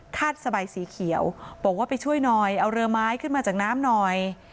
สบายสีเขียวบอกว่าไปช่วยหน่อยเอาเรือไม้ขึ้นมาจากน้ำหน่อย